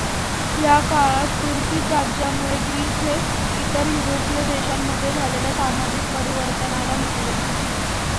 या काळात तुर्की राज्यामुळे ग्रीस हे इतर युरोपीय देशांमध्ये झालेल्या सामाजिक परिवर्तानाला मुकले.